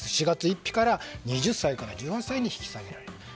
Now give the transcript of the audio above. ４月１日から２０歳から１８歳に引き下げられる。